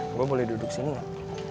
gue boleh duduk sini gak